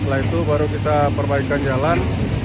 setelah itu baru kita perbaikan jalan